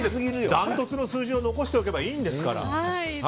ダントツの数字を残しておけばいいんですから。